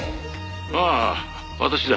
「ああ私だ。